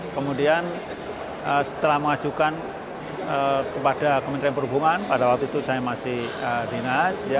kemudian setelah mengajukan kepada kementerian perhubungan pada waktu itu saya masih dinas